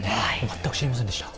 全く知りませんでした。